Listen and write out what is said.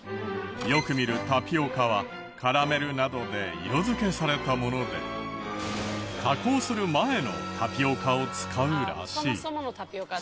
よく見るタピオカはカラメルなどで色付けされたもので加工する前のタピオカを使うらしい。